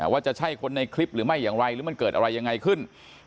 ว่าจะใช่คนในคลิปหรือไม่อย่างไรหรือมันเกิดอะไรยังไงขึ้น